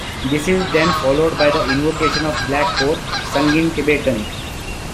This is then followed by the "Invocation of Black Coat", sung in Tibetan.